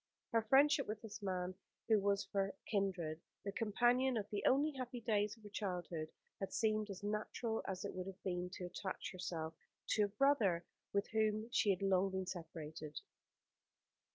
Her friendship with this man, who was of her kindred, the companion of the only happy days of her childhood, had seemed as natural as it would have been to attach herself to a brother from whom she had long been separated.